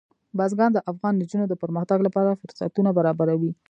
بزګان د افغان نجونو د پرمختګ لپاره فرصتونه برابروي.